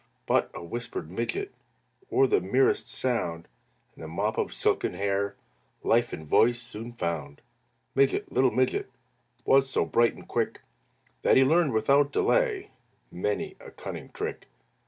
But a whispered "Midget," Or the merest sound, And the mop of silken hair Life and voice soon found. Midget, little Midget, Was so bright and quick That he learned without delay Many a cunning trick.